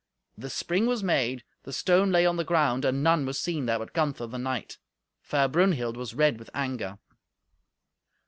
The spring was made, the stone lay on the ground, and none was seen there but Gunther, the knight. Fair Brunhild was red with anger.